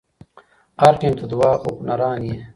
هر ټيم ته دوه اوپنران يي.